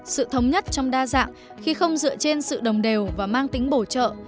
sự thống nhất trong đa dạng khi không dựa trên sự đồng đều và mang tính bổ trợ